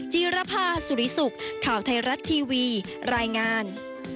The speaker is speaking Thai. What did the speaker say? จีรภาสุริสุขข่าวไทยรัฐทีวีรายงาน